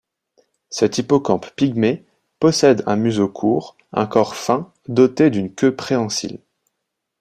Cet hippocampe pygmée possède un museau court, un corps fin doté d'une queue préhensile.